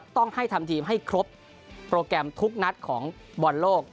ต้องให้ทำทีมให้ครบโปรแกรมทุกนัดของบอลโลก